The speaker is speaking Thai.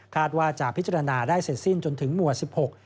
ว่าจะพิจารณาได้เสร็จสิ้นจนถึงหมวดสิบหก